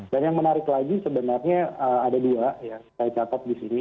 dan yang menarik lagi sebenarnya ada dua yang saya catat di sini